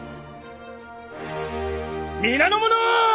皆の者！